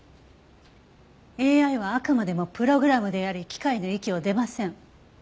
ＡＩはあくまでもプログラムであり機械の域を出ません。